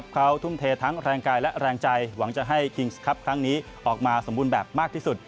เขาทุ่มเททั้งแรงกายและแรงใจหวังจะให้คิงส์ครับครั้งนี้ออกมาสมบูรณ์แบบมากที่สุด